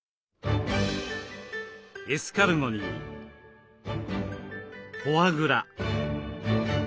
エスカルゴにフォアグラ。